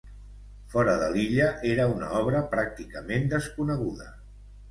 Fora de l'illa era una obra pràcticament desconeguda.